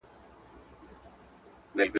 د راتلونکي لپاره فکر وکړئ.